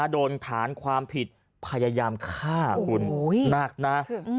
โดนฐานความผิดพยายามฆ่าคุณหนักนะ